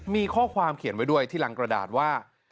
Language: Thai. มีข้อความเขียนไว้ด้วยที่รังกระดาษว่า